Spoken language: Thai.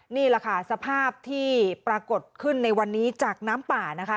นี่แหละค่ะสภาพที่ปรากฏขึ้นในวันนี้จากน้ำป่านะคะ